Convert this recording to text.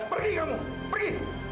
pergi kamu pergi